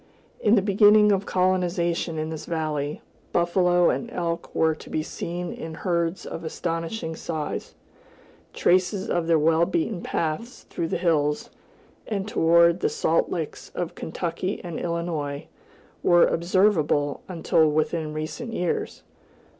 In the beginning of colonization in this valley, buffalo and elk were to be seen in herds of astonishing size; traces of their well beaten paths through the hills, and toward the salt licks of Kentucky and Illinois, were observable until within recent years.